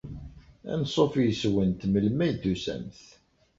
Anṣuf yes-went melmi ay d-tusamt.